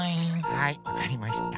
はいわかりました。